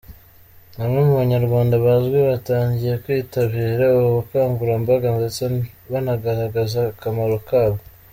Bamwe mu banyarwanda bazwi batangiye kwitabira ubu bukangurambaga ndetse banagaragaza akamaro kabwo.